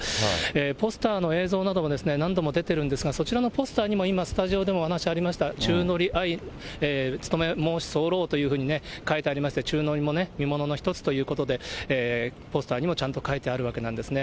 ポスターの映像なども何度も出てるんですが、そちらのポスターにも今、スタジオでもお話ありました、宙乗り、あいつとめもうしましてそうろうと書いてありまして、宙乗りも見ものの一つということで、ポスターにもちゃんと書いてあるわけなんですね。